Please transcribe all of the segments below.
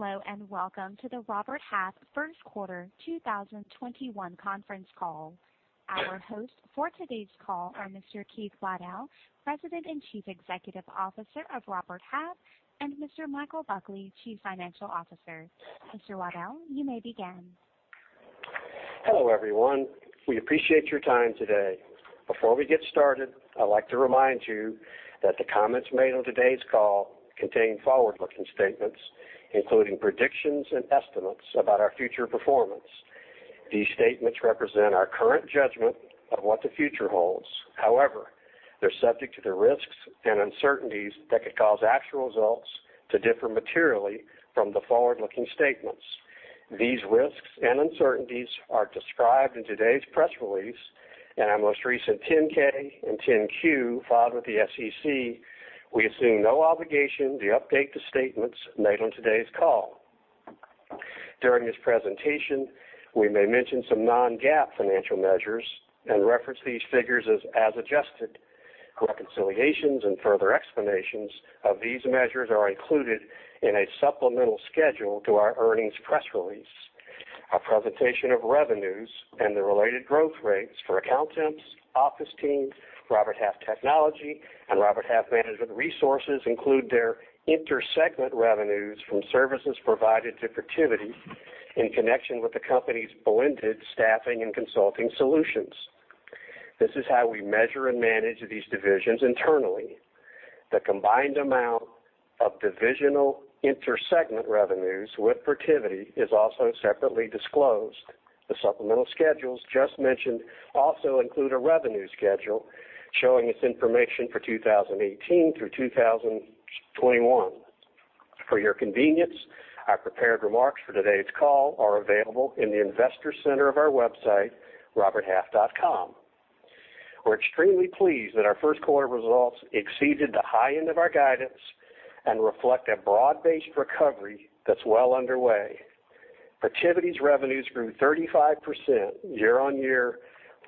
Hello, welcome to the Robert Half First Quarter 2021 Conference Call. Our hosts for today's call are Mr. Keith Waddell, President and Chief Executive Officer of Robert Half, and Mr. Michael Buckley, Chief Financial Officer. Mr. Waddell, you may begin. Hello, everyone. We appreciate your time today. Before we get started, I'd like to remind you that the comments made on today's call contain forward-looking statements, including predictions and estimates about our future performance. These statements represent our current judgment of what the future holds. However, they're subject to the risks and uncertainties that could cause actual results to differ materially from the forward-looking statements. These risks and uncertainties are described in today's press release and our most recent 10-K and 10-Q filed with the SEC. We assume no obligation to update the statements made on today's call. During this presentation, we may mention some non-GAAP financial measures and reference these figures as adjusted. Reconciliations and further explanations of these measures are included in a supplemental schedule to our earnings press release. Our presentation of revenues and the related growth rates for Accountemps, OfficeTeam, Robert Half Technology, and Robert Half Management Resources include their inter-segment revenues from services provided to Protiviti in connection with the company's blended staffing and consulting solutions. This is how we measure and manage these divisions internally. The combined amount of divisional inter-segment revenues with Protiviti is also separately disclosed. The supplemental schedules just mentioned also include a revenue schedule showing this information for 2018 through 2021. For your convenience, our prepared remarks for today's call are available in the investor center of our website, roberthalf.com. We're extremely pleased that our first quarter results exceeded the high end of our guidance and reflect a broad-based recovery that's well underway. Protiviti's revenues grew 35% year-on-year,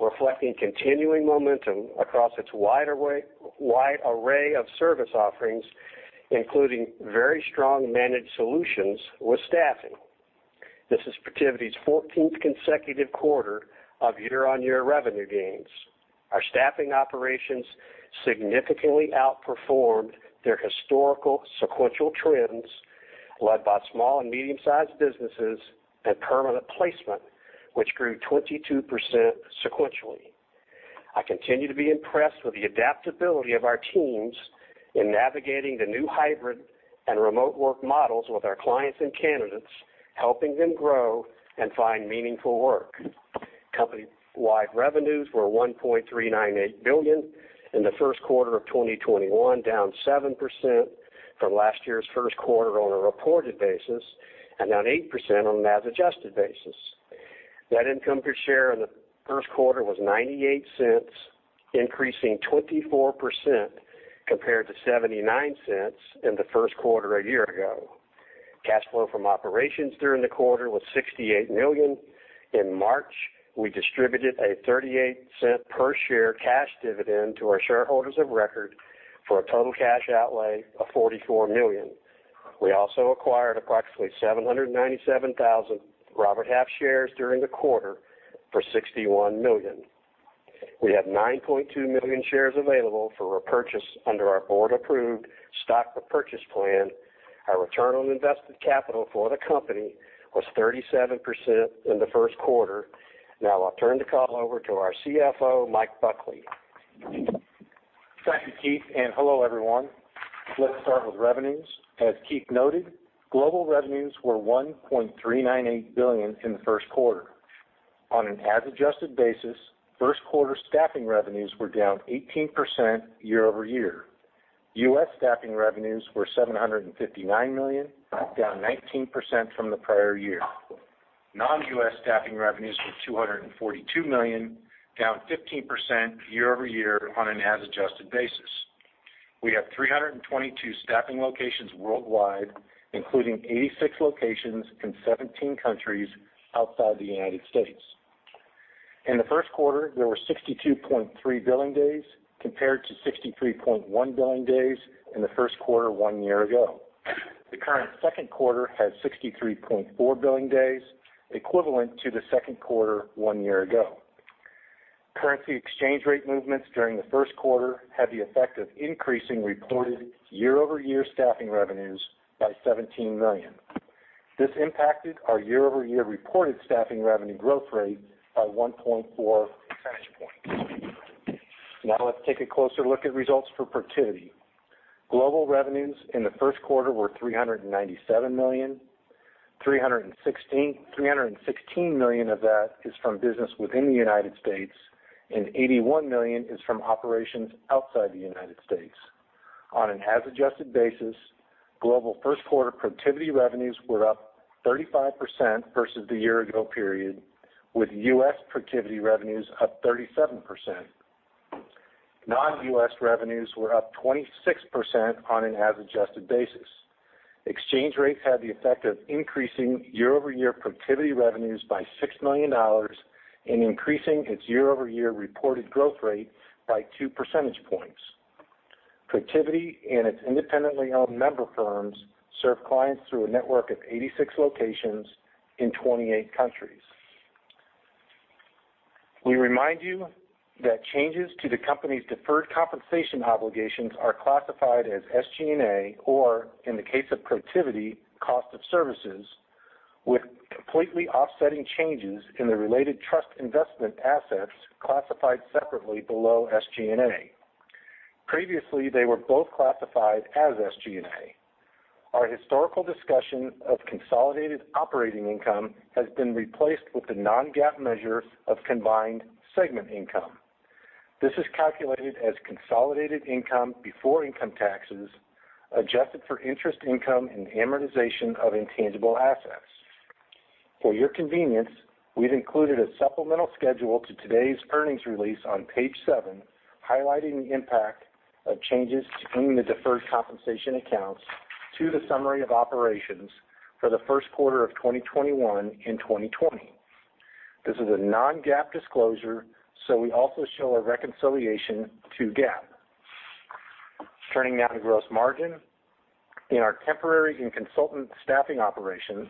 reflecting continuing momentum across its wide array of service offerings, including very strong managed solutions with staffing. This is Protiviti's 14th consecutive quarter of year-on-year revenue gains. Our staffing operations significantly outperformed their historical sequential trends, led by small and medium-sized businesses and permanent placement, which grew 22% sequentially. I continue to be impressed with the adaptability of our teams in navigating the new hybrid and remote work models with our clients and candidates, helping them grow and find meaningful work. Company-wide revenues were $1.398 billion in the first quarter of 2021, down 7% from last year's first quarter on a reported basis, and down 8% on an as adjusted basis. Net income per share in the first quarter was $0.98, increasing 24% compared to $0.79 in the first quarter a year ago. Cash flow from operations during the quarter was $68 million. In March, we distributed a $0.38 per share cash dividend to our shareholders of record for a total cash outlay of $44 million. We also acquired approximately 797,000 Robert Half shares during the quarter for $61 million. We have 9.2 million shares available for repurchase under our board-approved stock repurchase plan. Our return on invested capital for the company was 37% in the first quarter. Now, I'll turn the call over to our CFO, Mike Buckley. Thank you, Keith, and hello, everyone. Let's start with revenues. As Keith noted, global revenues were $1.398 billion in the first quarter. On an as adjusted basis, first quarter staffing revenues were down 18% year-over-year. U.S. staffing revenues were $759 million, down 19% from the prior year. Non-U.S. staffing revenues were $242 million, down 15% year-over-year on an as adjusted basis. We have 322 staffing locations worldwide, including 86 locations in 17 countries outside the United States. In the first quarter, there were 62.3 billing days compared to 63.1 billing days in the first quarter one year ago. The current second quarter has 63.4 billing days, equivalent to the second quarter one year ago. Currency exchange rate movements during the first quarter had the effect of increasing reported year-over-year staffing revenues by $17 million. This impacted our year-over-year reported staffing revenue growth rate by 1.4 percentage points. Now, let's take a closer look at results for Protiviti. Global revenues in the first quarter were $397 million. $316 million of that is from business within the United States, and $81 million is from operations outside the United States. On an as adjusted basis, global first quarter Protiviti revenues were up 35% versus the year ago period, with U.S. Protiviti revenues up 37%. Non-U.S. revenues were up 26% on an as adjusted basis. Exchange rates had the effect of increasing year-over-year Protiviti revenues by $6 million and increasing its year-over-year reported growth rate by two percentage points. Protiviti and its independently owned member firms serve clients through a network of 86 locations in 28 countries. We remind you that changes to the company's deferred compensation obligations are classified as SG&A, or in the case of Protiviti, cost of services, with completely offsetting changes in the related trust investment assets classified separately below SG&A. Previously, they were both classified as SG&A. Our historical discussion of consolidated operating income has been replaced with the non-GAAP measure of combined segment income. This is calculated as consolidated income before income taxes, adjusted for interest income and amortization of intangible assets. For your convenience, we've included a supplemental schedule to today's earnings release on page seven, highlighting the impact of changes in the deferred compensation accounts to the summary of operations for the first quarter of 2021 and 2020. This is a non-GAAP disclosure, so we also show a reconciliation to GAAP. Turning now to gross margin. In our temporary and consultant staffing operations,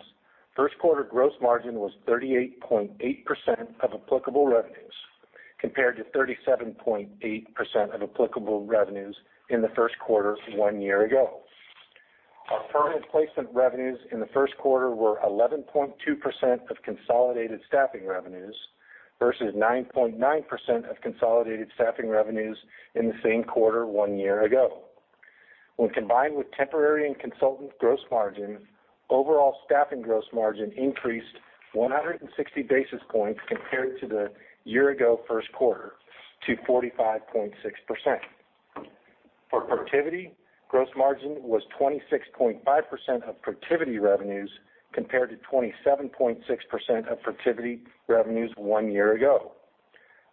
first quarter gross margin was 38.8% of applicable revenues, compared to 37.8% of applicable revenues in the first quarter one year ago. Our permanent placement revenues in the first quarter were 11.2% of consolidated staffing revenues versus 9.9% of consolidated staffing revenues in the same quarter one year ago. When combined with temporary and consultant gross margin, overall staffing gross margin increased 160 basis points compared to the year ago first quarter to 45.6%. For Protiviti, gross margin was 26.5% of Protiviti revenues compared to 27.6% of Protiviti revenues one year ago.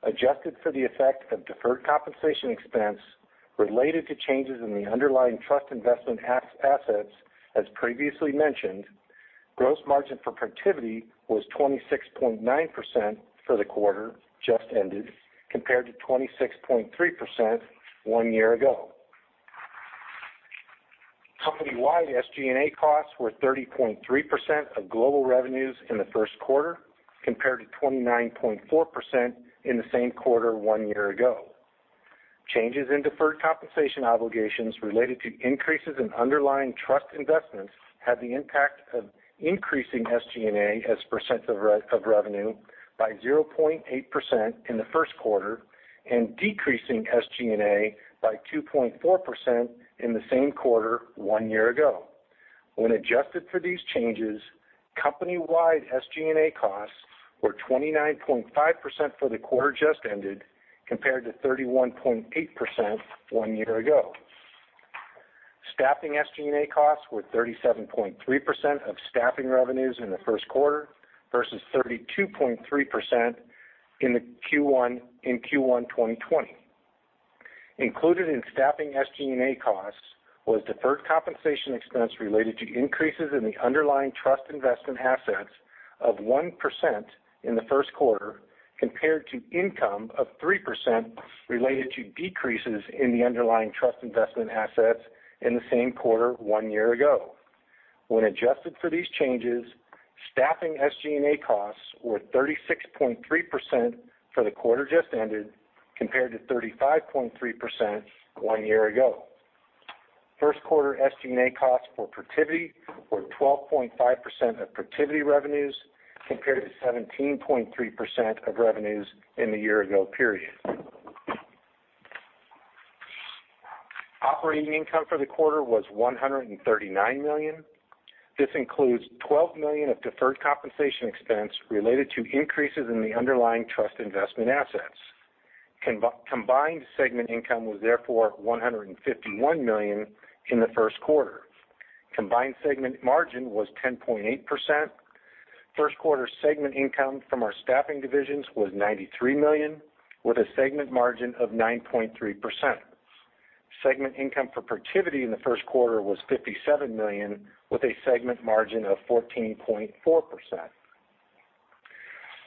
Adjusted for the effect of deferred compensation expense related to changes in the underlying trust investment assets, as previously mentioned, gross margin for Protiviti was 26.9% for the quarter just ended, compared to 26.3% one year ago. Company-wide SG&A costs were 30.3% of global revenues in the first quarter, compared to 29.4% in the same quarter one year ago. Changes in deferred compensation obligations related to increases in underlying trust investments had the impact of increasing SG&A as a percent of revenue by 0.8% in the first quarter and decreasing SG&A by 2.4% in the same quarter one year ago. When adjusted for these changes, company-wide SG&A costs were 29.5% for the quarter just ended, compared to 31.8% one year ago. Staffing SG&A costs were 37.3% of staffing revenues in the first quarter versus 32.3% in Q1 2020. Included in staffing SG&A costs was deferred compensation expense related to increases in the underlying trust investment assets of 1% in the first quarter, compared to income of 3% related to decreases in the underlying trust investment assets in the same quarter one year ago. When adjusted for these changes, staffing SG&A costs were 36.3% for the quarter just ended, compared to 35.3% one year ago. First quarter SG&A costs for Protiviti were 12.5% of Protiviti revenues compared to 17.3% of revenues in the year ago period. Operating income for the quarter was $139 million. This includes $12 million of deferred compensation expense related to increases in the underlying trust investment assets. Combined segment income was therefore $151 million in the first quarter. Combined segment margin was 10.8%. First quarter segment income from our staffing divisions was $93 million, with a segment margin of 9.3%. Segment income for Protiviti in the first quarter was $57 million, with a segment margin of 14.4%.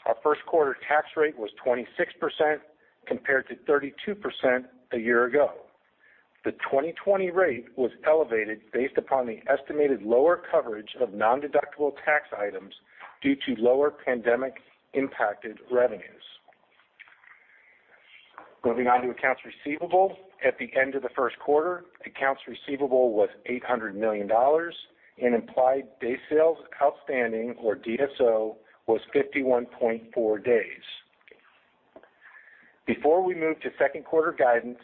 Our first quarter tax rate was 26% compared to 32% a year ago. The 2020 rate was elevated based upon the estimated lower coverage of non-deductible tax items due to lower pandemic-impacted revenues. Moving on to accounts receivable. At the end of the first quarter, accounts receivable was $800 million and implied days sales outstanding, or DSO, was 51.4 days. Before we move to second quarter guidance,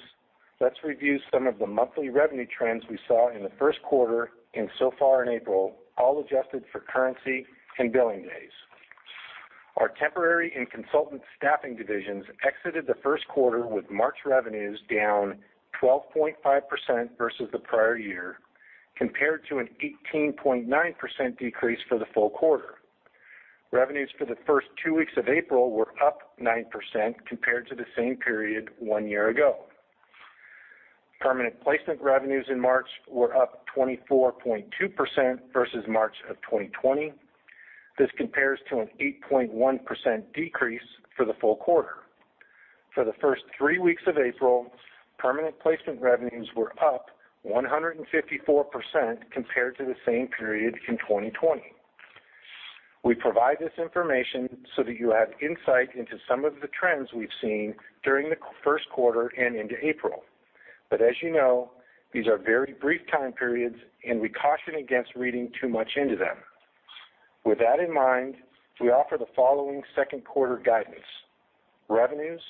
let's review some of the monthly revenue trends we saw in the first quarter and so far in April, all adjusted for currency and billing days. Our temporary and consultant staffing divisions exited the first quarter with March revenues down 12.5% versus the prior year, compared to an 18.9% decrease for the full quarter. Revenues for the first two weeks of April were up 9% compared to the same period one year ago. Permanent placement revenues in March were up 24.2% versus March of 2020. This compares to an 8.1% decrease for the full quarter. For the first three weeks of April, permanent placement revenues were up 154% compared to the same period in 2020. We provide this information so that you have insight into some of the trends we've seen during the first quarter and into April. As you know, these are very brief time periods, and we caution against reading too much into them. With that in mind, we offer the following second quarter guidance. Revenues,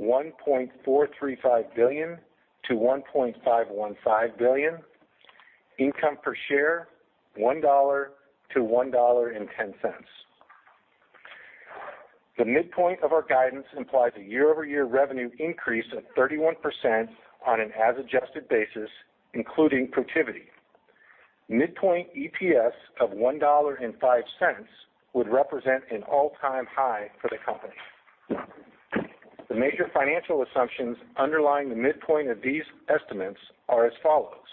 $1.435 billion-$1.515 billion. Income per share, $1-$1.10. The midpoint of our guidance implies a year-over-year revenue increase of 31% on an as-adjusted basis, including Protiviti. Midpoint EPS of $1.05 would represent an all-time high for the company. The major financial assumptions underlying the midpoint of these estimates are as follows.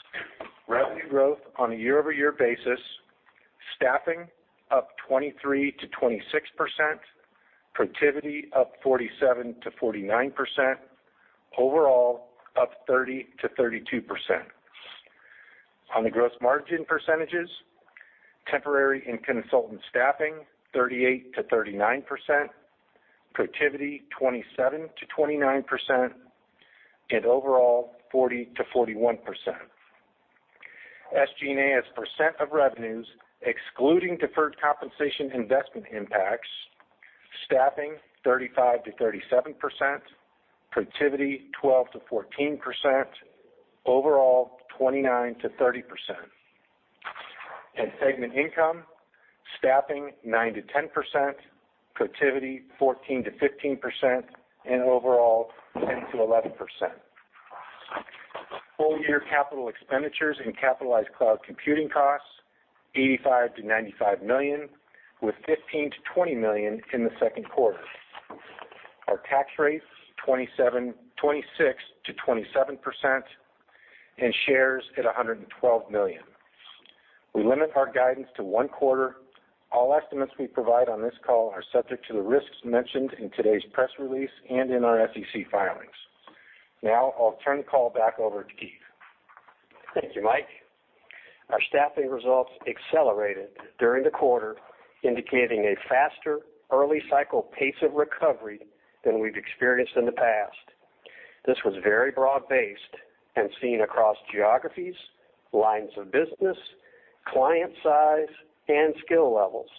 Revenue growth on a year-over-year basis, staffing up 23%-26%, Protiviti up 47%-49%, overall up 30%-32%. On the gross margin percentages, temporary and consultant staffing, 38%-39%, Protiviti 27%-29%, and overall 40%-41%. SG&A as a percent of revenues, excluding deferred compensation investment impacts, staffing 35%-37%, Protiviti 12%-14%, overall 29%-30%. In segment income, staffing 9%-10%, Protiviti 14%-15%, and overall 10%-11%. Full-year capital expenditures and capitalized cloud computing costs, $85 million-$95 million, with $15 million-$20 million in the second quarter. Our tax rate, 26%-27%, and shares at 112 million. We limit our guidance to one quarter. All estimates we provide on this call are subject to the risks mentioned in today's press release and in our SEC filings. Now, I'll turn the call back over to Keith. Thank you, Mike. Our staffing results accelerated during the quarter, indicating a faster early cycle pace of recovery than we've experienced in the past. This was very broad-based and seen across geographies, lines of business, client size, and skill levels.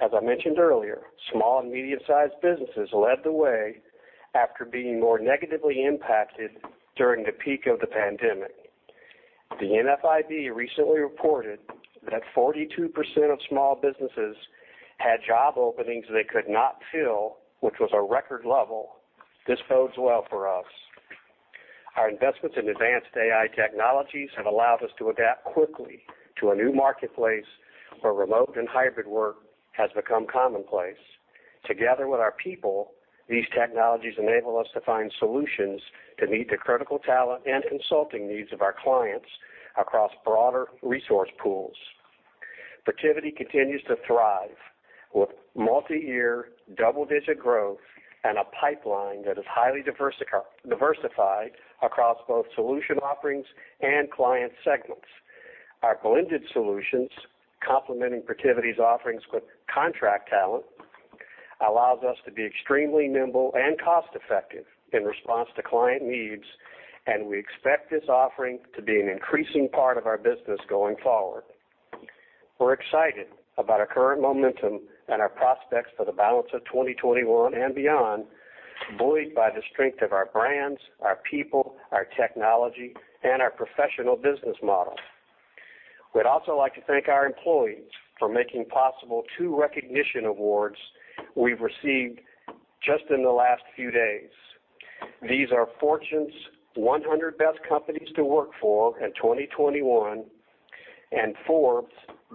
As I mentioned earlier, small and medium-sized businesses led the way after being more negatively impacted during the peak of the pandemic. The NFIB recently reported that 42% of small businesses had job openings they could not fill, which was a record level. This bodes well for us. Our investments in advanced AI technologies have allowed us to adapt quickly to a new marketplace where remote and hybrid work has become commonplace. Together with our people, these technologies enable us to find solutions to meet the critical talent and consulting needs of our clients across broader resource pools. Protiviti continues to thrive with multi-year, double-digit growth and a pipeline that is highly diversified across both solution offerings and client segments. Our blended solutions complementing Protiviti's offerings with contract talent allows us to be extremely nimble and cost-effective in response to client needs, and we expect this offering to be an increasing part of our business going forward. We're excited about our current momentum and our prospects for the balance of 2021 and beyond, buoyed by the strength of our brands, our people, our technology, and our professional business model. We'd also like to thank our employees for making possible two recognition awards we've received just in the last few days. These are Fortune's 100 Best Companies to Work For in 2021 and Forbes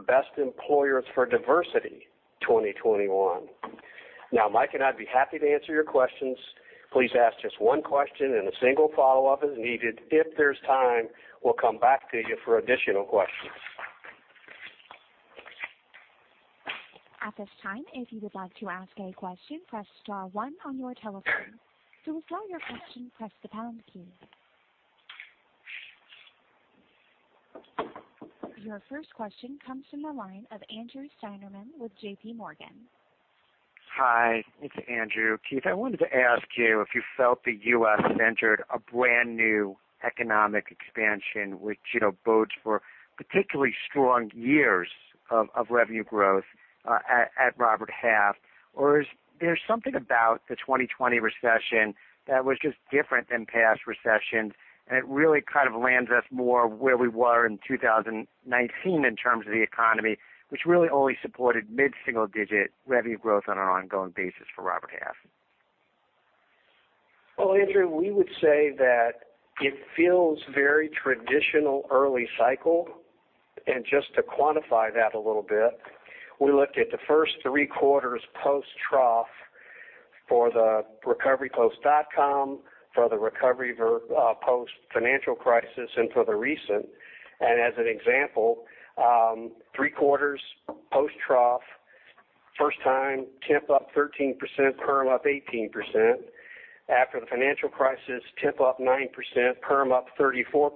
Best Employers for Diversity 2021. Now, Mike and I'd be happy to answer your questions. Please ask just one question and a single follow-up as needed. If there's time, we'll come back to you for additional questions. At this time, if you would like to ask a question, press star one on your telephone. To withdraw your question, press the pound key. Your first question comes from the line of Andrew Steinerman with JPMorgan. Hi, it's Andrew. Keith, I wanted to ask you if you felt the U.S. entered a brand new economic expansion, which, you know, bodes for particularly strong years of revenue growth at Robert Half. Is there something about the 2020 recession that was just different than past recessions, and it really kind of lands us more where we were in 2019 in terms of the economy, which really only supported mid-single-digit revenue growth on an ongoing basis for Robert Half? Well, Andrew, we would say that it feels very traditional early cycle and just to quantify that a little bit, we looked at the first three quarters post-trough for the recovery post dot-com, for the recovery post-financial crisis, and for the recent. As an example, three quarters post-trough, first time temp up 13%, perm up 18%. After the financial crisis, temp up 9%, perm up 34%.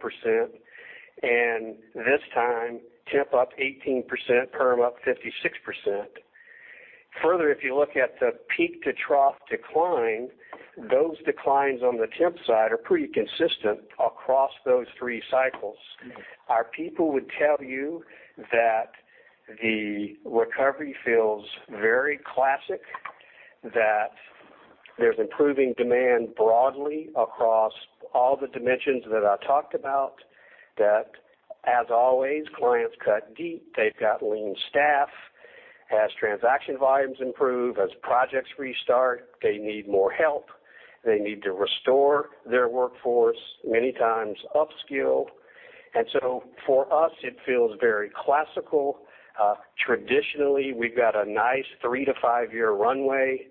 This time temp up 18%, perm up 56%. Further, if you look at the peak to trough decline, those declines on the temp side are pretty consistent across those three cycles. Our people would tell you that the recovery feels very classic, that there's improving demand broadly across all the dimensions that I talked about. As always, clients cut deep. They've got lean staff. As transaction volumes improve, as projects restart, they need more help. They need to restore their workforce, many times up-skill. For us, it feels very classical. Traditionally, we've got a nice three to five-year runway.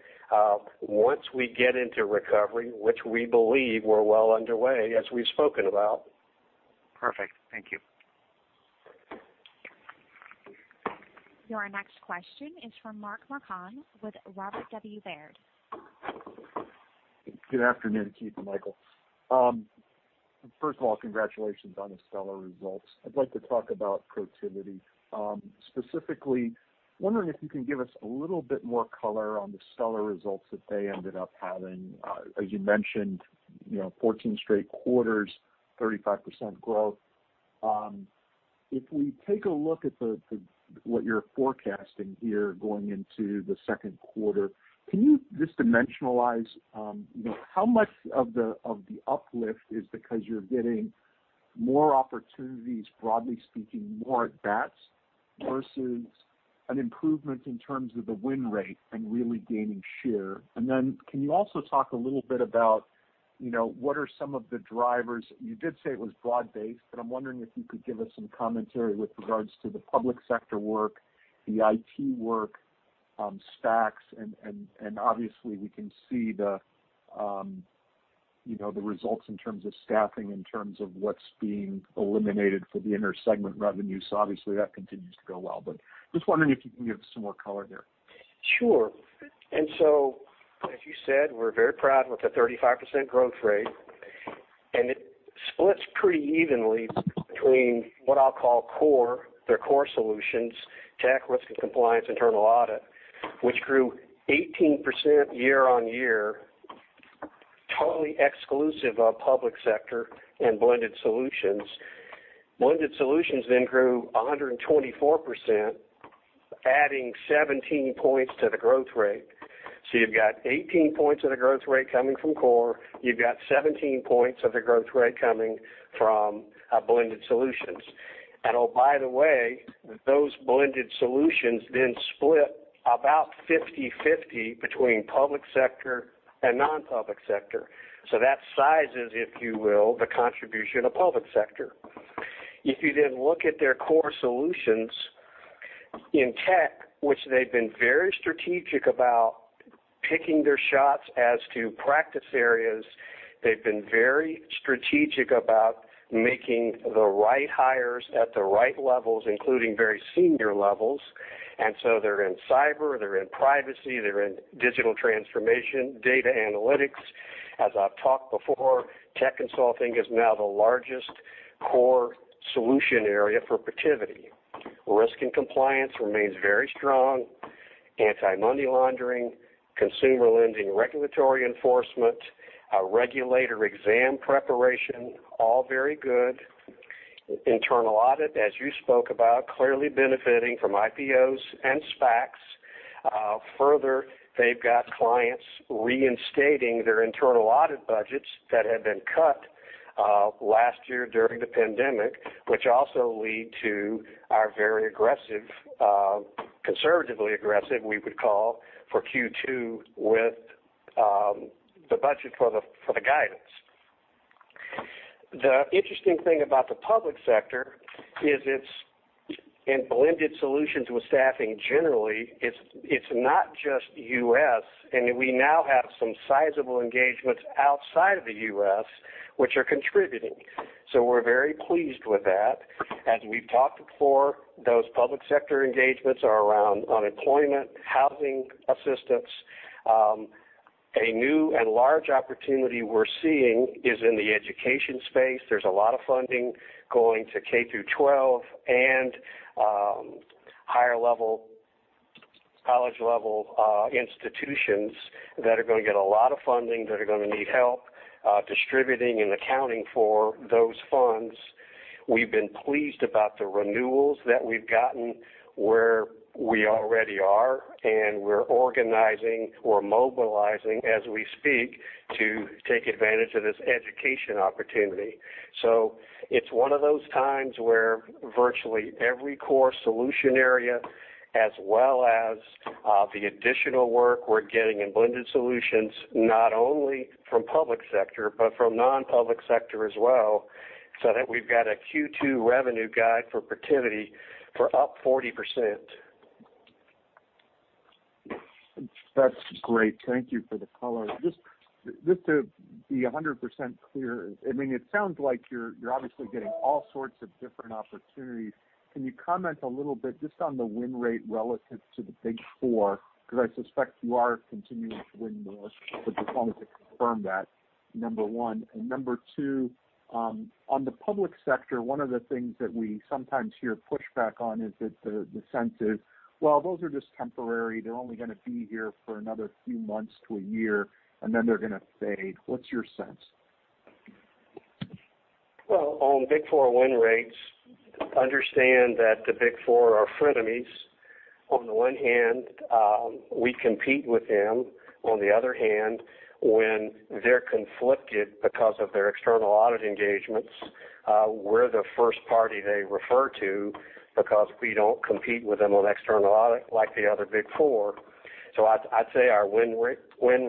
Once we get into recovery, which we believe we're well underway, as we've spoken about. Perfect. Thank you. Your next question is from Mark Marcon with Robert W. Baird. Good afternoon, Keith and Michael. First of all, congratulations on the stellar results. I'd like to talk about Protiviti. Specifically, wondering if you can give us a little bit more color on the stellar results that they ended up having. As you mentioned, you know, 14 straight quarters, 35% growth. If we take a look at what you're forecasting here going into the second quarter, can you just dimensionalize how much of the uplift is because you're getting more opportunities, broadly speaking, more at bats, versus an improvement in terms of the win rate and really gaining share? Can you also talk a little bit about, you know, what are some of the drivers? You did say it was broad-based, but I'm wondering if you could give us some commentary with regards to the public sector work, the IT work, SPACs, and obviously we can see, you know, the results in terms of staffing, in terms of what's being eliminated for the inter-segment revenue. Obviously that continues to go well, but I'm just wondering if you can give us some more color there. Sure. As you said, we're very proud with the 35% growth rate, and it splits pretty evenly between what I'll call core, their core solutions, tech, risk and compliance, internal audit, which grew 18% year-on-year, totally exclusive of public sector and blended solutions. Blended solutions then grew 124%, adding 17 points to the growth rate. You've got 18 points of the growth rate coming from core. You've got 17 points of the growth rate coming from blended solutions. Oh, by the way, those blended solutions then split about 50/50 between public sector and non-public sector. That sizes, if you will, the contribution of public sector. If you then look at their core solutions in tech, which they've been very strategic about picking their shots as to practice areas. They've been very strategic about making the right hires at the right levels, including very senior levels. They're in cyber, they're in privacy, they're in digital transformation, data analytics. As I've talked before, tech consulting is now the largest core solution area for Protiviti. Risk and compliance remains very strong. Anti-money laundering, consumer lending, regulatory enforcement, regulator exam preparation, all very good. Internal audit, as you spoke about, clearly benefiting from IPOs and SPACs. Further, they've got clients reinstating their internal audit budgets that had been cut last year during the pandemic, which also lead to our very aggressive, conservatively aggressive, we would call, for Q2 with the budget for the guidance. The interesting thing about the public sector is it's in blended solutions with staffing generally. It's not just U.S., we now have some sizable engagements outside of the U.S. which are contributing. We're very pleased with that. As we've talked before, those public sector engagements are around unemployment, housing assistance. A new and large opportunity we're seeing is in the education space. There's a lot of funding going to K through 12 and higher-level college-level institutions that are going to get a lot of funding, that are going to need help distributing and accounting for those funds. We've been pleased about the renewals that we've gotten where we already are, and we're organizing or mobilizing as we speak to take advantage of this education opportunity. It's one of those times where virtually every core solution area, as well as the additional work we're getting in blended solutions, not only from public sector, but from non-public sector as well, so that we've got a Q2 revenue guide for Protiviti for up 40%. That's great. Thank you for the color. Just to be 100% clear, I mean it sounds like you're obviously getting all sorts of different opportunities. Can you comment a little bit just on the win rate relative to the Big Four, because I suspect you are continuing to win more, but just wanted to confirm that, number one. Number two, on the public sector, one of the things that we sometimes hear pushback on is that the sense is, well, those are just temporary. They're only going to be here for another few months to a year, and then they're going to fade. What's your sense? Well, on Big Four win rates, understand that the Big Four are frenemies. On the one hand, we compete with them. On the other hand, when they're conflicted because of their external audit engagements, we're the first party they refer to because we don't compete with them on external audit like the other Big Four. I'd say our win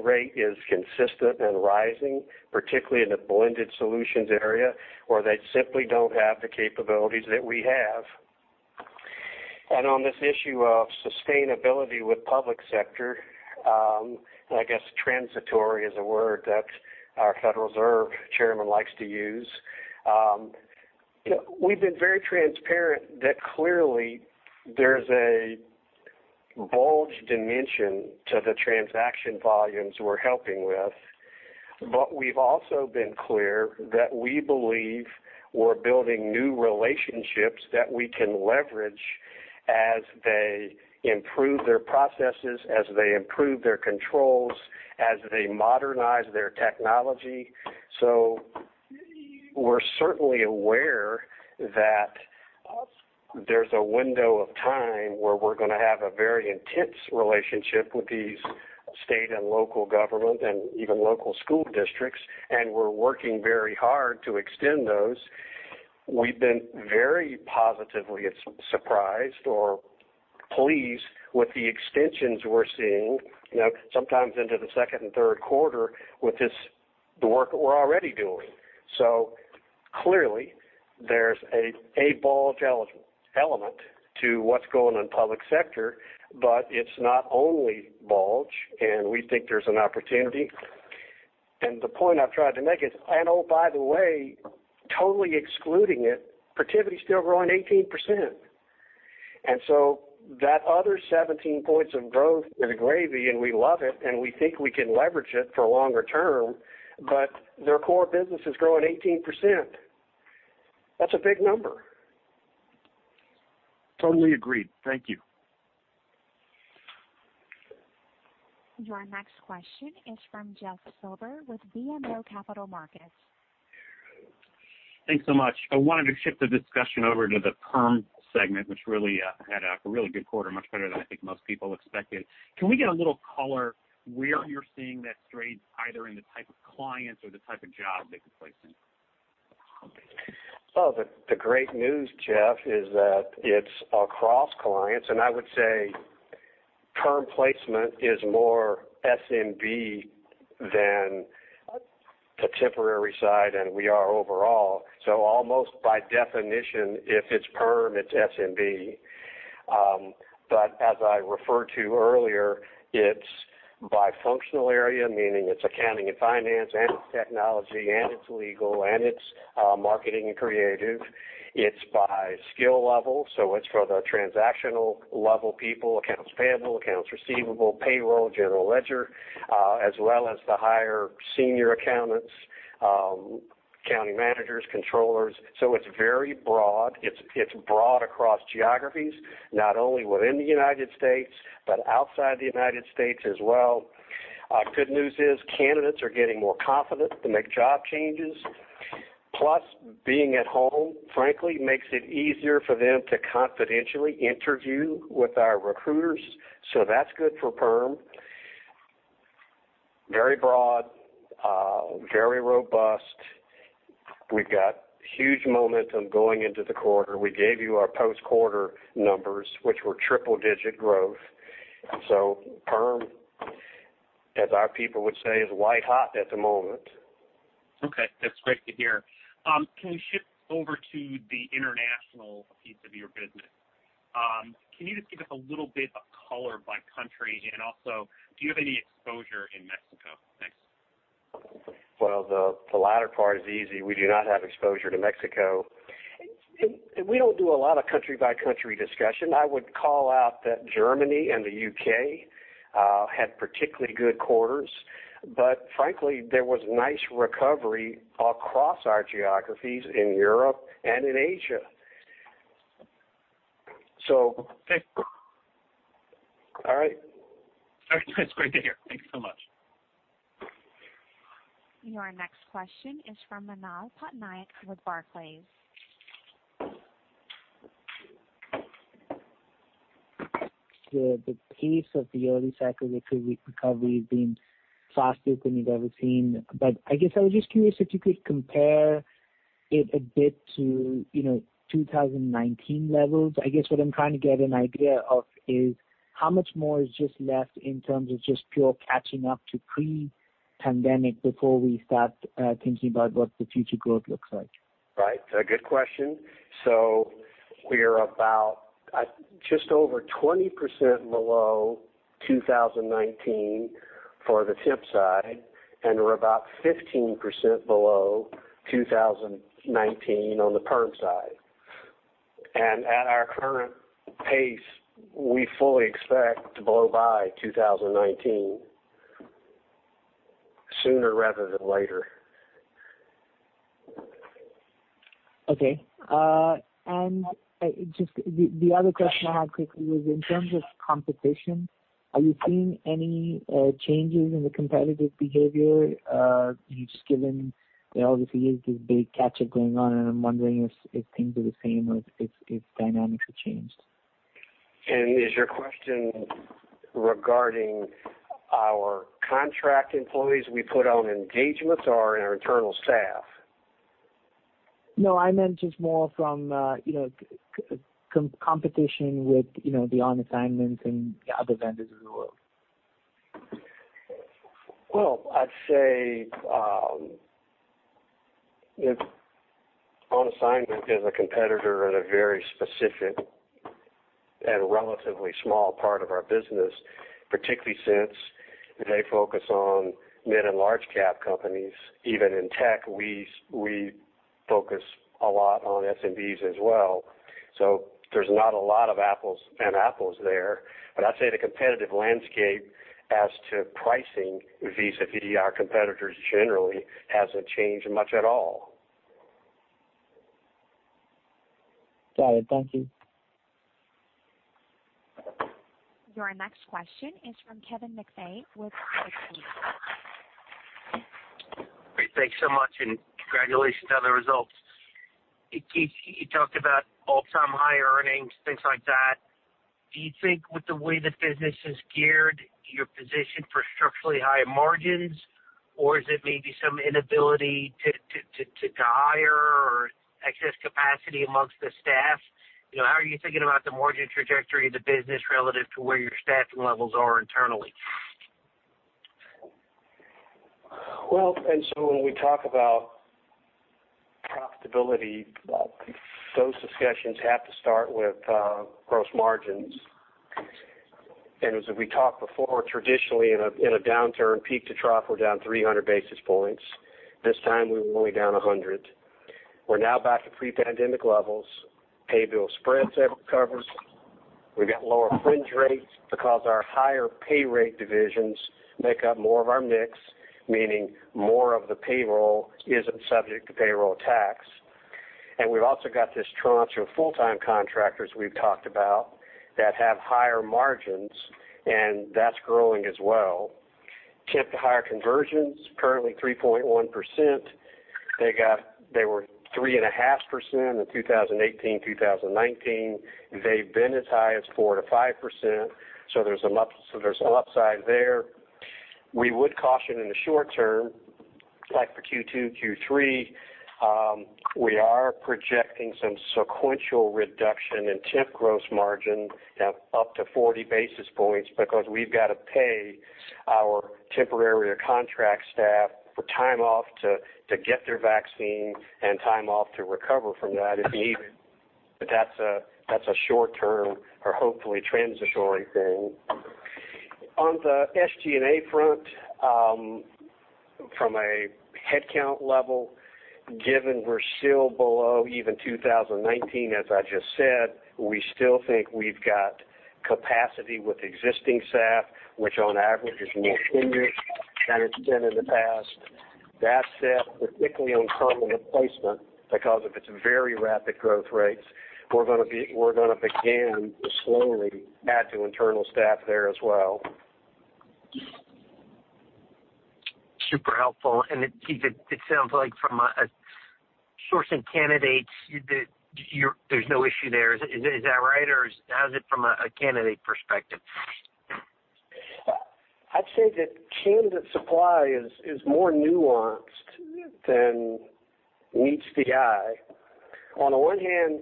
rate is consistent and rising, particularly in the blended solutions area, where they simply don't have the capabilities that we have. On this issue of sustainability with public sector, I guess transitory is a word that our Federal Reserve chairman likes to use. We've been very transparent that clearly there's a bulge dimension to the transaction volumes we're helping with, but we've also been clear that we believe we're building new relationships that we can leverage as they improve their processes, as they improve their controls, as they modernize their technology. We're certainly aware that there's a window of time where we're going to have a very intense relationship with these state and local government and even local school districts, and we're working very hard to extend those. We've been very positively surprised or pleased with the extensions we're seeing, sometimes into the second and third quarter with the work that we're already doing. Clearly, there's a bulge element to what's going on public sector, but it's not only bulge, and we think there's an opportunity. Then, the point I've tried to make is, and oh, by the way, totally excluding it, Protiviti's still growing 18%. That other 17 points of growth is gravy, and we love it, and we think we can leverage it for longer term, but their core business is growing 18%. That's a big number. Totally agreed. Thank you. Your next question is from Jeff Silber with BMO Capital Markets. Thanks so much. I wanted to shift the discussion over to the perm segment, which had a really good quarter, much better than I think most people expected. Can we get a little color where you're seeing that strength, either in the type of clients or the type of job they can place in? Well, the great news, Jeff, is that it's across clients, and I would say perm placement is more SMB than the temporary side than we are overall. Almost by definition, if it's perm, it's SMB, but as I referred to earlier, it's by functional area, meaning it's accounting and finance, and it's technology, and it's legal, and it's marketing and creative. It's by skill level, so it's for the transactional level people, accounts payable, accounts receivable, payroll, general ledger, as well as the higher senior accountants, accounting managers, controllers. It's very broad. It's broad across geographies, not only within the United States, but outside the United States as well. Good news is candidates are getting more confident to make job changes. Plus, being at home, frankly, makes it easier for them to confidentially interview with our recruiters. That's good for perm. Very broad, very robust. We've got huge momentum going into the quarter. We gave you our post-quarter numbers, which were triple-digit growth. Perm, as our people would say, is white hot at the moment. Okay. That's great to hear. Can we shift over to the international piece of your business? Can you just give us a little bit of color by country, and also, do you have any exposure in Mexico? Thanks. Well, the latter part is easy. We do not have exposure to Mexico. We don't do a lot of country-by-country discussion. I would call out that Germany and the U.K. had particularly good quarters, but frankly, there was nice recovery across our geographies in Europe and in Asia. Okay. All right. All right. That's great to hear. Thank you so much. Your next question is from Manav Patnaik with Barclays. The pace of the early cycle recovery has been faster than you've ever seen, but I guess I was just curious if you could compare it a bit to, you know, 2019 levels. I guess what I'm trying to get an idea of is how much more is just left in terms of just pure catching up to pre-pandemic before we start thinking about what the future growth looks like? Right. A good question. We're about just over 20% below 2019 for the temp side, and we're about 15% below 2019 on the perm side. At our current pace, we fully expect to blow by 2019 sooner rather than later. Okay. Just the other question I had quickly was in terms of competition, are you seeing any changes in the competitive behavior? You've just given, obviously there's this big catch-up going on, and I'm wondering if things are the same or if dynamics have changed. Is your question regarding our contract employees we put on engagements or in our internal staff? No, I meant just more from competition with, you know, the On Assignment and the other vendors as well. I'd say, if On Assignment is a competitor in a very specific and relatively small part of our business, particularly since they focus on mid and large cap companies, even in tech, we focus a lot on SMBs as well. There's not a lot of apples and apples there, but I'd say the competitive landscape as to pricing vis-a-vis our competitors generally hasn't changed much at all. Got it. Thank you. Your next question is from Kevin McVeigh with with Credit Suisse. Great, thanks so much, and congratulations on the results. Keith, you talked about all-time high earnings, things like that. Do you think with the way the business is geared, you're positioned for structurally higher margins, or is it maybe some inability to hire or excess capacity amongst the staff? How are you thinking about the margin trajectory of the business relative to where your staffing levels are internally? Well, when we talk about profitability, those discussions have to start with gross margins. As we talked before, traditionally in a downturn, peak to trough, we're down 300 basis points. This time we were only down 100. We're now back to pre-pandemic levels. Pay-bill spreads have recovered. We've got lower fringe rates because our higher pay rate divisions make up more of our mix, meaning more of the payroll isn't subject to payroll tax. We've also got this tranche of full-time contractors we've talked about that have higher margins, and that's growing as well. Temp-to-hire conversions, currently 3.1%. They were 3.5% in 2018, 2019. They've been as high as 4%-5%, so there's an upside there. We would caution in the short term, like for Q2, Q3, we are projecting some sequential reduction in temp gross margin up to 40 basis points because we've got to pay our temporary or contract staff for time off to get their vaccine and time off to recover from that if needed. That's a short term or hopefully transitory thing. On the SG&A front, from a headcount level, given we're still below even 2019, as I just said, we still think we've got capacity with existing staff, which on average is more senior than it's been in the past. That said, particularly on permanent placement, because of its very rapid growth rates, we're going to begin to slowly add to internal staff there as well. Super helpful. Keith, it sounds like from a sourcing candidates that there's no issue there. Is that right? How is it from a candidate perspective? I'd say that candidate supply is more nuanced than meets the eye. On the one hand,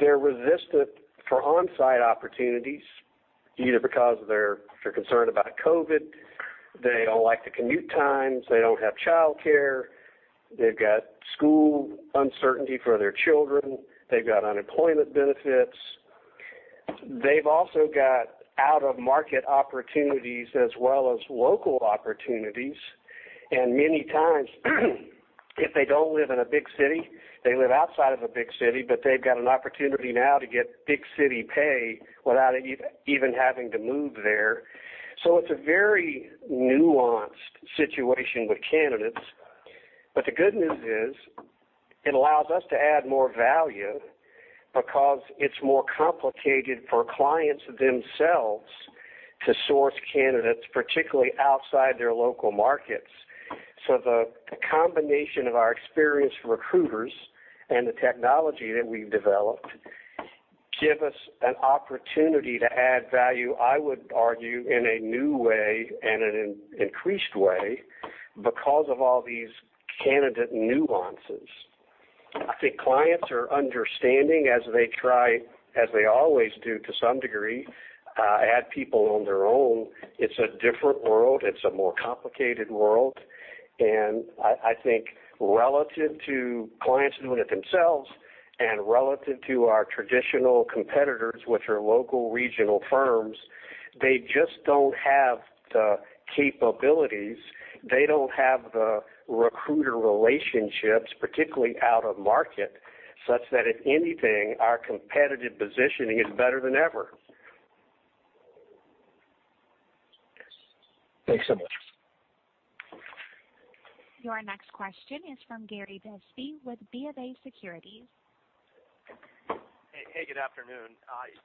they're resistant for on-site opportunities, either because they're concerned about COVID, they don't like the commute times, they don't have childcare, they've got school uncertainty for their children. They've got unemployment benefits. They've also got out-of-market opportunities as well as local opportunities, and many times, if they don't live in a big city, they live outside of a big city, but they've got an opportunity now to get big city pay without even having to move there. It's a very nuanced situation with candidates, but the good news is it allows us to add more value because it's more complicated for clients themselves to source candidates, particularly outside their local markets. The combination of our experienced recruiters and the technology that we've developed give us an opportunity to add value, I would argue, in a new way and in an increased way because of all these candidate nuances. I think clients are understanding as they try, as they always do, to some degree, add people on their own. It's a different world. It's a more complicated world. I think relative to clients doing it themselves and relative to our traditional competitors, which are local regional firms, they just don't have the capabilities. They don't have the recruiter relationships, particularly out of market, such that if anything, our competitive positioning is better than ever. Thanks so much. Your next question is from Gary Bisbee with BofA Securities. Hey, good afternoon.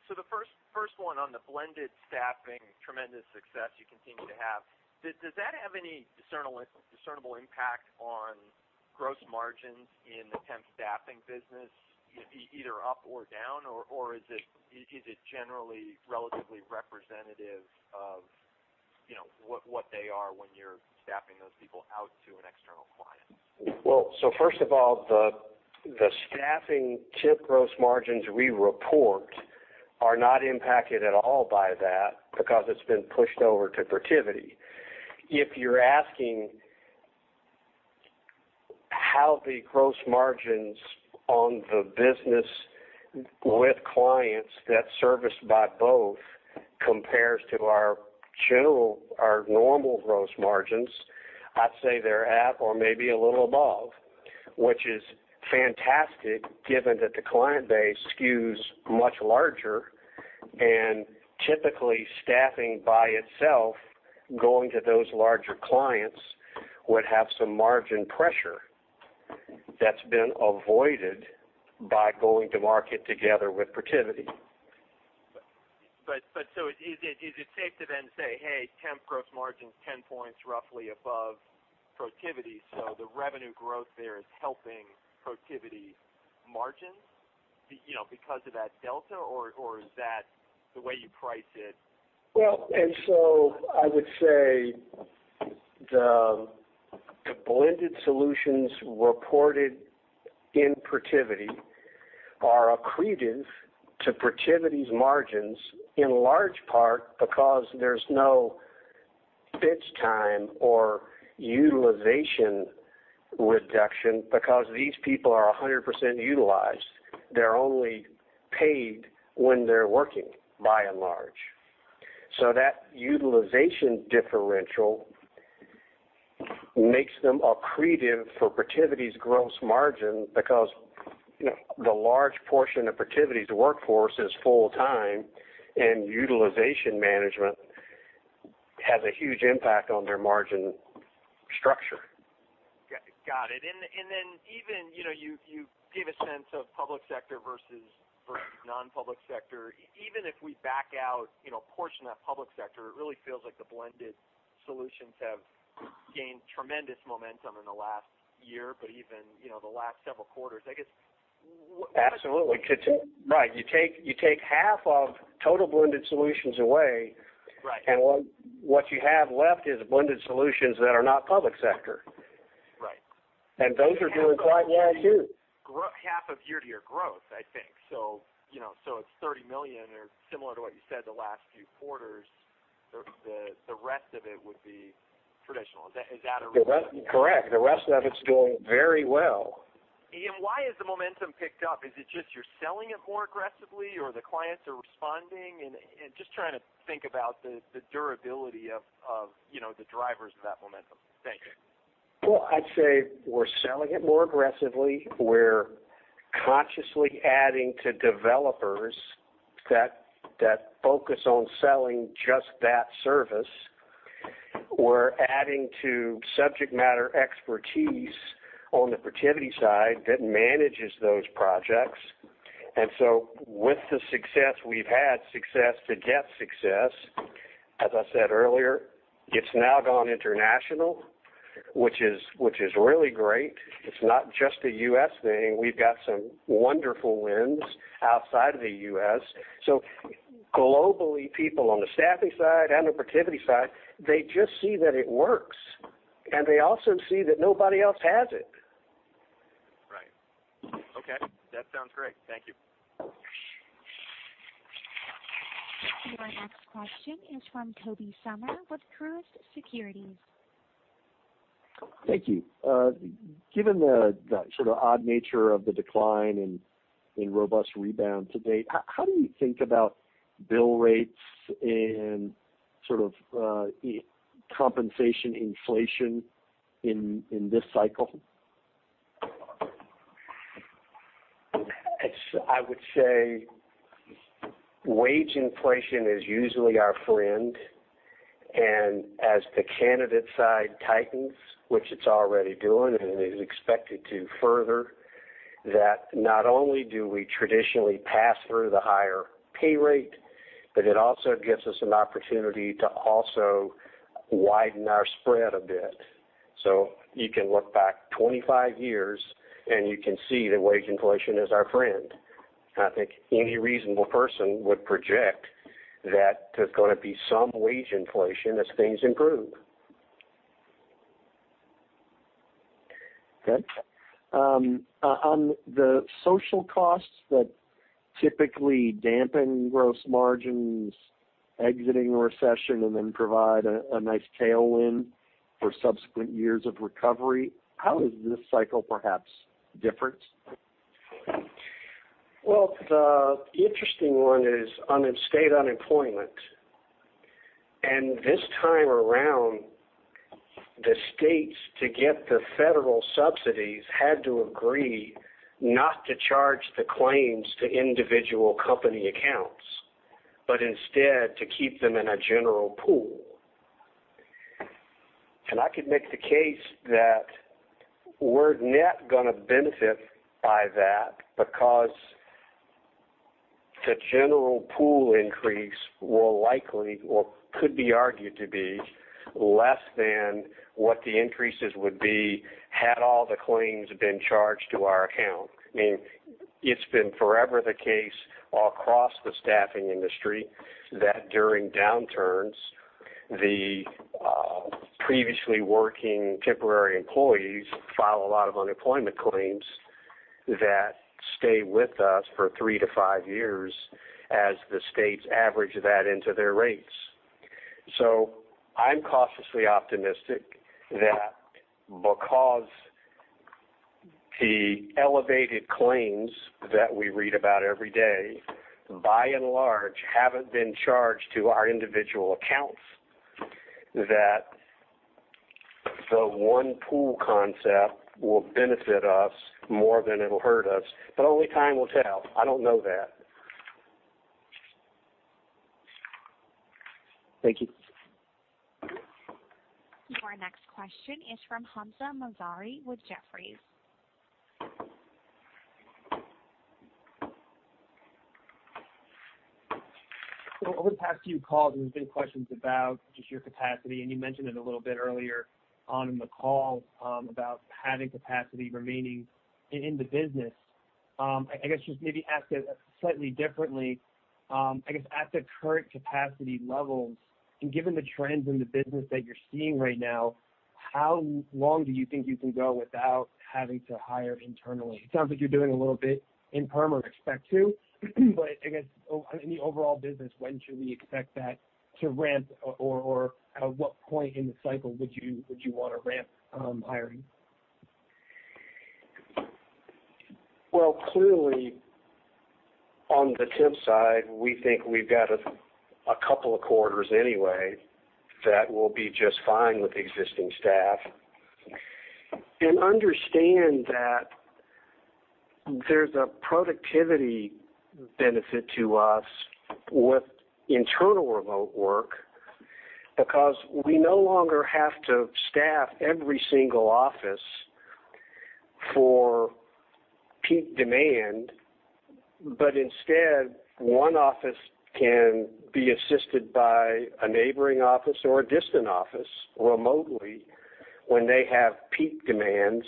The first one on the blended staffing, tremendous success you continue to have. Does that have any discernible impact on gross margins in the temp staffing business, either up or down, or is it generally relatively representative of, you know, what they are when you're staffing those people out to an external client? Well, first of all, the staffing temp gross margins we report are not impacted at all by that because it's been pushed over to Protiviti. If you're asking how the gross margins on the business with clients that's serviced by both compares to our normal gross margins, I'd say they're at or maybe a little above, which is fantastic given that the client base skews much larger and typically staffing by itself, going to those larger clients would have some margin pressure that's been avoided by going to market together with Protiviti. But is it safe to then say, hey, temp gross margin's 10 points roughly above Protiviti, so the revenue growth there is helping Protiviti margins, because of that delta or is that the way you price it? I would say the blended solutions reported in Protiviti are accretive to Protiviti's margins in large part because there's no bench time or utilization reduction because these people are 100% utilized. They're only paid when they're working by and large. That utilization differential makes them accretive for Protiviti's gross margin because the large portion of Protiviti's workforce is full-time, and utilization management has a huge impact on their margin structure. Got it. Even, you know, you gave a sense of public sector versus non-public sector. Even if we back out, you know, a portion of that public sector, it really feels like the blended solutions have gained tremendous momentum in the last year, but even, the last several quarters. Absolutely. Right. You take half of total blended solutions away. Right What you have left is blended solutions that are not public sector. Right. Those are doing quite well, too. Half of year-to-year growth, I think. It's $30 million or similar to what you said the last few quarters, the rest of it would be traditional. Is that? Correct. The rest of it's doing very well. Why has the momentum picked up? Is it just you're selling it more aggressively or the clients are responding? Just trying to think about the durability of, you know, the drivers of that momentum. Thanks. I'd say we're selling it more aggressively. We're consciously adding to developers that focus on selling just that service. We're adding to subject matter expertise on the Protiviti side that manages those projects. With the success we've had, success begets success. As I said earlier, it's now gone international, which is really great. It's not just a U.S. thing. We've got some wonderful wins outside of the U.S. Globally, people on the staffing side and the Protiviti side, they just see that it works, and they also see that nobody else has it. Right. Okay, that sounds great. Thank you. Your next question is from Tobey Sommer with Truist Securities. Thank you. Given the sort of odd nature of the decline in robust rebound to date, how do you think about bill rates and sort of, compensation inflation in this cycle? I would say wage inflation is usually our friend, and as the candidate side tightens, which it's already doing and is expected to further, that not only do we traditionally pass through the higher pay rate, but it also gives us an opportunity to also widen our spread a bit. You can look back 25 years, and you can see that wage inflation is our friend. I think any reasonable person would project that there's going to be some wage inflation as things improve. Okay. On the social costs that typically dampen gross margins exiting a recession and then provide a nice tailwind for subsequent years of recovery, how is this cycle perhaps different? Well, the interesting one is on state unemployment. This time around, the states, to get the Federal subsidies, had to agree not to charge the claims to individual company accounts, but instead to keep them in a general pool. I could make the case that we're net going to benefit by that because the general pool increase will likely, or could be argued to be, less than what the increases would be had all the claims been charged to our account. It's been forever the case across the staffing industry that during downturns, the previously working temporary employees file a lot of unemployment claims that stay with us for three to five years as the states average that into their rates. I'm cautiously optimistic that because the elevated claims that we read about every day, by and large, haven't been charged to our individual accounts, that the one pool concept will benefit us more than it'll hurt us. Only time will tell. I don't know that. Thank you. Our next question is from Hamzah Mazari with Jefferies. Over the past few calls, there's been questions about just your capacity, and you mentioned it a little bit earlier on in the call, about having capacity remaining in the business. I guess just maybe ask it slightly differently. I guess at the current capacity levels and given the trends in the business that you're seeing right now, how long do you think you can go without having to hire internally? It sounds like you're doing a little bit in perm or expect to, but I guess in the overall business, when should we expect that to ramp or at what point in the cycle would you want to ramp hiring? Well, clearly on the temp side, we think we've got a couple of quarters anyway that we'll be just fine with the existing staff. And understand that there's a productivity benefit to us with internal remote work because we no longer have to staff every single office for peak demand, but instead, one office can be assisted by a neighboring office or a distant office remotely when they have peak demands.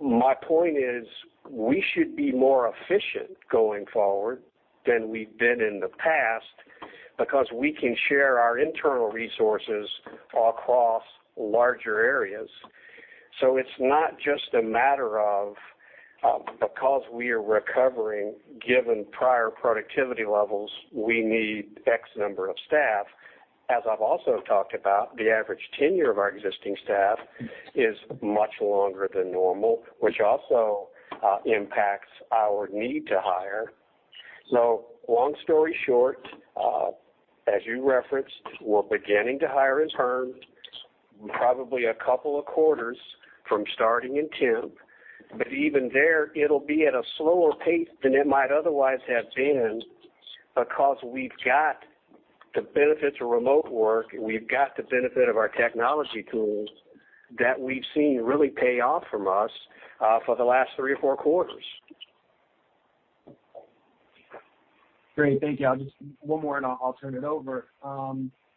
My point is, we should be more efficient going forward than we've been in the past because we can share our internal resources across larger areas. So it's not just a matter of, because we are recovering, given prior productivity levels, we need X number of staff. As I've also talked about, the average tenure of our existing staff is much longer than normal, which also impacts our need to hire. Long story short, as you referenced, we're beginning to hire in perm, probably a couple of quarters from starting in temp, but even there, it'll be at a slower pace than it might otherwise have been because we've got the benefits of remote work, we've got the benefit of our technology tools that we've seen really pay off from us for the last three or four quarters. Great. Thank you. I'll just one more and I'll turn it over.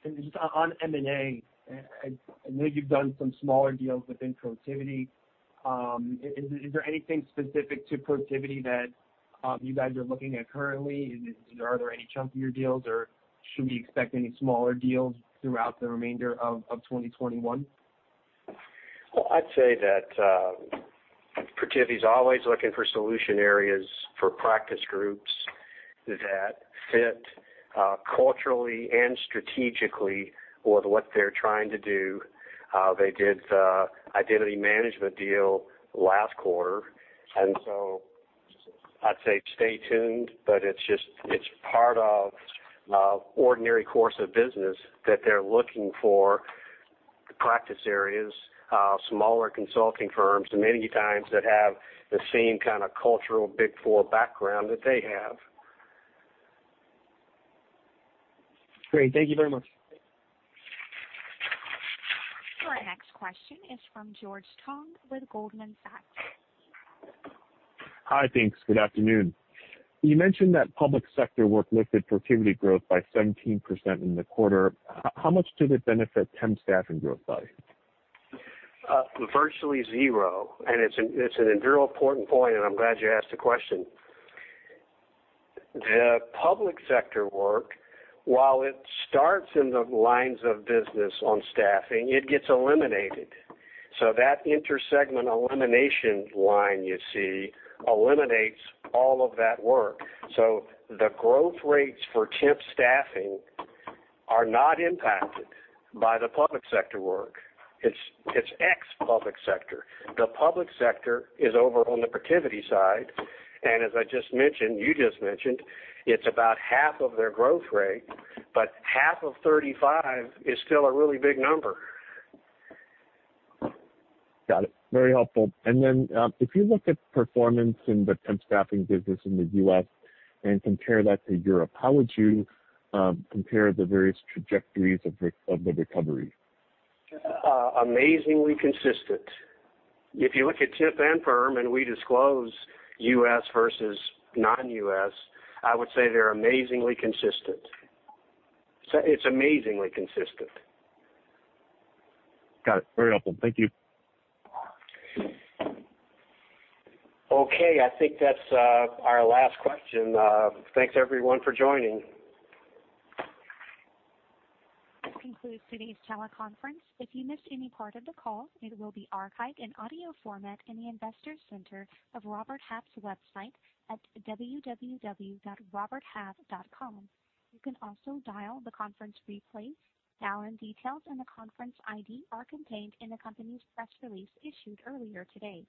Just on M&A, I know you've done some smaller deals within Protiviti. Is there anything specific to Protiviti that you guys are looking at currently? Are there any chunkier deals, or should we expect any smaller deals throughout the remainder of 2021? I'd say that Protiviti's always looking for solution areas for practice groups that fit culturally and strategically with what they're trying to do. They did the identity management deal last quarter, and so I'd say stay tuned, but it's part of ordinary course of business that they're looking for the practice areas, smaller consulting firms, many times that have the same kind of cultural Big Four background that they have. Great. Thank you very much. Our next question is from George Tong with Goldman Sachs. Hi, thanks. Good afternoon. You mentioned that public sector work lifted Protiviti growth by 17% in the quarter. How much did it benefit temp staffing growth by? Virtually zero. It's a real important point, and I'm glad you asked the question. The public sector work, while it starts in the lines of business on staffing, it gets eliminated. That inter-segment elimination line you see eliminates all of that work. The growth rates for temp staffing are not impacted by the public sector work. It's ex-public sector. The public sector is over on the Protiviti side, and as I just mentioned, you just mentioned, it's about half of their growth rate, but half of 35 is still a really big number. Got it. Very helpful. Then, if you look at performance in the temp staffing business in the U.S. and compare that to Europe, how would you compare the various trajectories of the recovery? Amazingly consistent. If you look at temp and perm, and we disclose U.S. versus non-U.S., I would say they're amazingly consistent. It's amazingly consistent. Got it. Very helpful. Thank you. Okay. I think that's our last question. Thanks, everyone, for joining. This concludes today's teleconference. If you missed any part of the call, it will be archived in audio format in the Investors Center of Robert Half's website at www.roberthalf.com. You can also dial the conference replay. Dial-in details and the conference ID are contained in the company's press release issued earlier today.